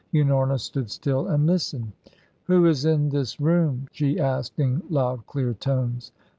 Unorna stood still and listened. "Who is in this room?" she asked in loud clear tones.